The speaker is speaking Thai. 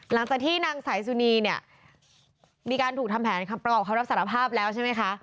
หลังจากที่นางสายสุนีเนี่ยมีการถูกทำแผนคำประกอบคำรับสารภาพแล้วใช่ไหมคะ